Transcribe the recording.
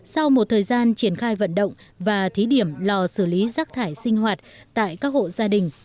sau một thời gian triển khai vận động và thí điểm lò xử lý rác thải sinh hoạt tại các hộ gia đình